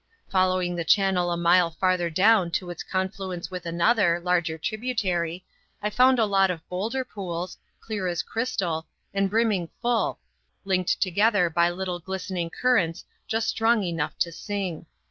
Following the channel a mile farther down to its confluence with another, larger tributary, I found a lot of boulder pools, clear as crystal, and brimming full, linked together by little glistening currents just strong enough to sing.